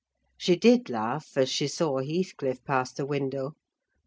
She did laugh as she saw Heathcliff pass the window.